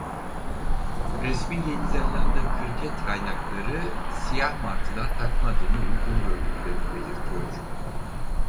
Resmi Yeni Zelanda Kriket kaynakları Siyah Martılar takma adını uygun gördüklerini belirtiyor.